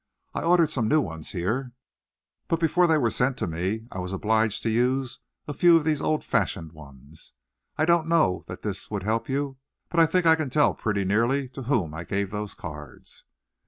I ordered some new ones here, but before they were sent to me I was obliged to use a few of these old fashioned ones. I don't know that this would help you, but I think I can tell pretty nearly to whom I gave those cards."